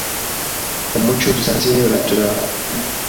umuco dusangiye uruturanga,